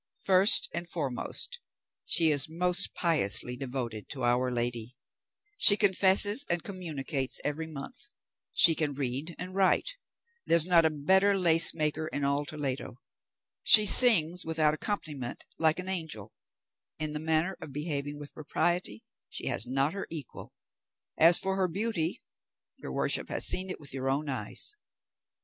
First and foremost, she is most piously devoted to our Lady; she confesses and communicates every month; she can read and write; there's not a better lace maker in all Toledo; she sings without accompaniment like an angel; in the matter of behaving with propriety she has not her equal; as for her beauty, your worship has seen it with your own eyes.